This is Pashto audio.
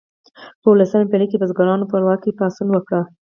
په اوولسمه پیړۍ کې بزګرانو په والګا کې پاڅون وکړ.